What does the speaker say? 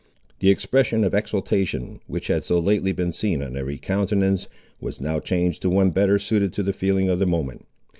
The expression of exultation, which had so lately been seen on every countenance, was now changed to one better suited to the feeling of the moment.